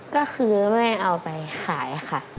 ก็คือแม่เอาไปขายค่ะ